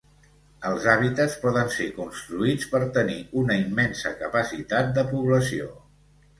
Els hàbitats poden ser construïts per tenir una immensa capacitat de població.